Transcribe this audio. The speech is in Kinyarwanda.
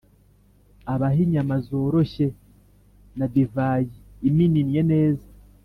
abahe inyama zoroshye na divayi imininnye neza.